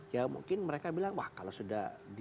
ya mungkin mereka bilang wah kalau sudah di